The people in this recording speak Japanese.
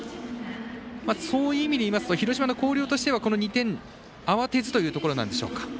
そういう意味でいいますと広島の広陵としてはこの２点慌てずというところでしょうか。